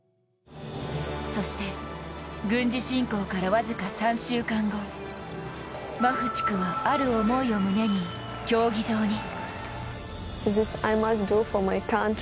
そして、軍事侵攻から僅か３週間後マフチクはある思いを胸に競技場に。